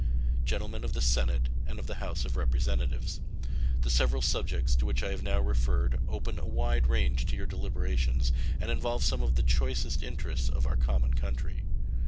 Gentlemen of the Senate and of the House of Representatives: The several subjects to which I have now referred open a wide range to your deliberations and involve some of the choicest interests of our common country.